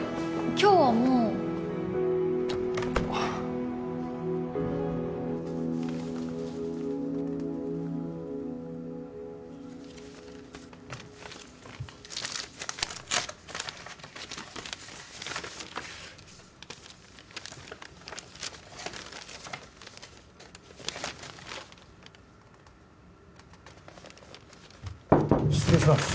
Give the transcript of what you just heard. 今日はもう失礼します